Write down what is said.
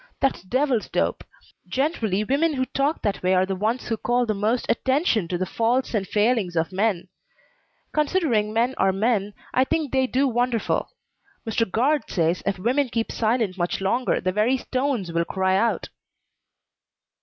That's devil's dope. Generally women who talk that way are the ones who call the most attention to the faults and failings of men. Considering men are men, I think they do wonderful. Mr. Guard says if women keep silent much longer the very stones will cry out."